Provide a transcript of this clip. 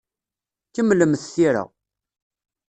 Kemmlemt tira.